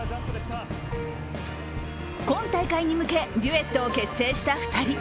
今大会に向け、デュエットを結成した２人。